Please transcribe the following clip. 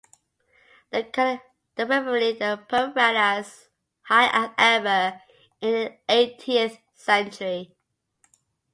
The revelry at Purim ran as high as ever in the eighteenth century.